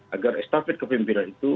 agar estafet kepimpiran itu